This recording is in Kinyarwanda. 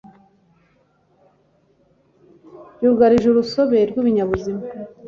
byugarije urusobe rw'ibinyabuzima,